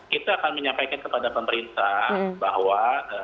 kita akan menyampaikan kepada pemerintah bahwa